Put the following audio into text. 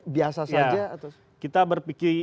biasa saja kita berpikir